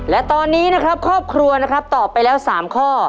และตอนนี้ครอบครัวต่อไปแล้ว๓ข้อ